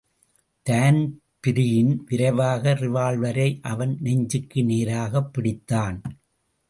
Dan Breen விரைவாக ரிவால்வரை அவன் நெஞ்சுக்கு நேராகப் பிடித்தான்.